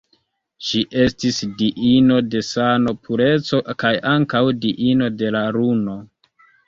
Ŝi estis diino de sano, pureco kaj ankaŭ diino de la Luno.